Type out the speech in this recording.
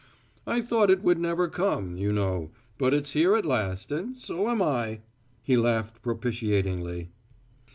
"I thought it would never come, you know; but it's here at last and so am I." He laughed propitiatingly.